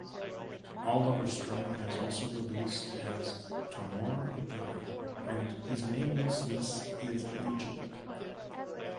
Oliver Stummer has also released as Tomoroh Hidari and his Namelessness Is Legion.